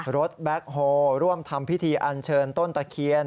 แบ็คโฮร่วมทำพิธีอันเชิญต้นตะเคียน